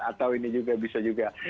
atau ini juga bisa juga